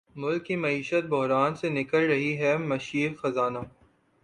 ملک کی معیشت بحران سے نکل رہی ہے مشیر خزانہ